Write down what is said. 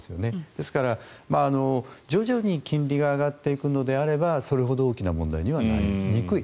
ですから、徐々に金利が上がっていくのであればそれほど大きな問題にはなりにくい。